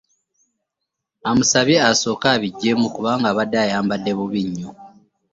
Amusabye asooke abiggyemu kuba abadde ayambadde bubi nnyo